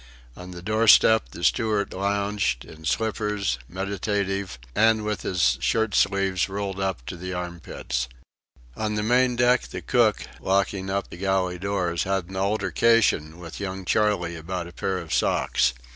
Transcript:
On the doorstep the steward lounged, in slippers, meditative, and with his shirt sleeves rolled up to the armpits. On the main deck the cook, locking up the galley doors, had an altercation with young Charley about a pair of socks.